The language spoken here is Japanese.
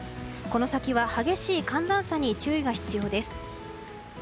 この先は激しい寒暖差に注意が必要です。